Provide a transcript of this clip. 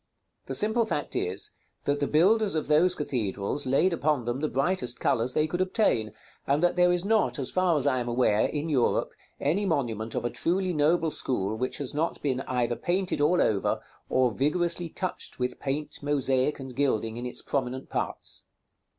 The simple fact is, that the builders of those cathedrals laid upon them the brightest colors they could obtain, and that there is not, as far as I am aware, in Europe, any monument of a truly noble school which has not been either painted all over, or vigorously touched with paint, mosaic, and gilding in its prominent parts.